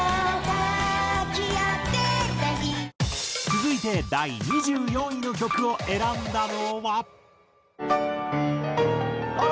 続いて第２４位の曲を選んだのは。